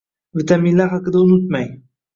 Vitaminlar haqida unutmang.